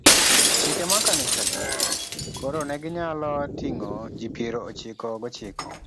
chike mag kanisagi, koro ne ginyalo ting'o ji piero ochiko gochiko